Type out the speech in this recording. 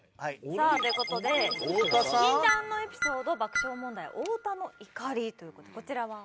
さあという事で「禁断のエピソード爆笑問題太田の怒り？」という事でこちらは？